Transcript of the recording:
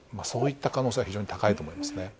そういった可能性は高いと思いますね。